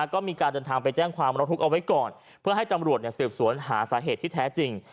ก็มีการเดินทางไปแจ้งความร้องทุกข์เอาไว้ก่อนเพื่อให้ตำรวจสืบสวนหาสาเหตุที่แท้จริง